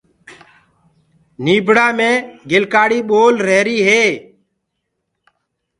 نيبڙآ مينٚ گِلڪآڙي پول رهيريٚ هي۔